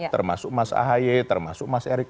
termasuk mas ahaye termasuk mas erick